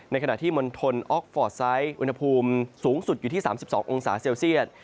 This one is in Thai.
ขณะที่มณฑลออกฟอร์ดไซต์อุณหภูมิสูงสุดอยู่ที่๓๒องศาเซลเซียต